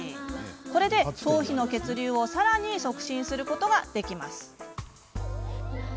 これで頭皮の血流をさらに促進することができます。